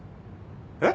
えっ？